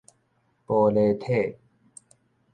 玻璃體